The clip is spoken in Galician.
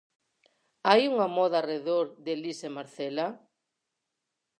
Hai unha moda arredor de Elisa e Marcela?